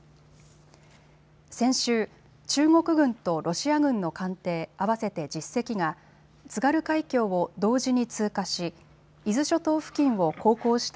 先週、中国軍とロシア軍の艦艇、合わせて１０隻が津軽海峡を同時に通過し伊豆諸島付近を航行した